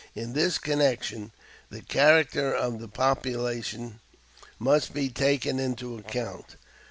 In this connection the character of the population must be taken into account.